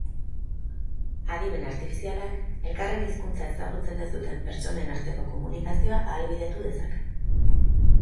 Adimen artifizialak elkarren hizkuntza ezagutzen ez duten pertsonen arteko komunikazioa ahalbidetu dezake.